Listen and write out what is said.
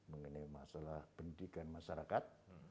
mengenai masalah pendidikan masyarakat